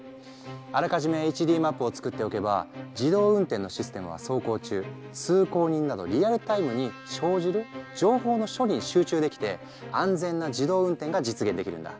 あらかじめＨＤマップを作っておけば自動運転のシステムは走行中通行人などリアルタイムに生じる情報の処理に集中できて安全な自動運転が実現できるんだ。